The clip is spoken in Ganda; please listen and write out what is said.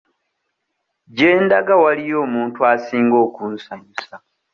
Gye ndaga waliyo omuntu asinga okunsanyusa.